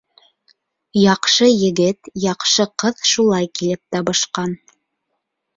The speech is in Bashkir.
Яҡшы егет, яҡшы ҡыҙ Шулай килеп табышҡан